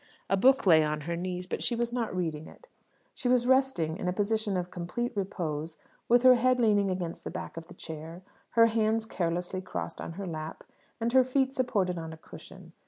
A book lay on her knees; but she was not reading it. She was resting in a position of complete repose, with her head leaning against the back of the chair, her hands carelessly crossed on her lap, and her feet supported on a cushion.